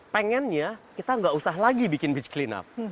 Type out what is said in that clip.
pengennya kita enggak usah lagi bikin beach cleanup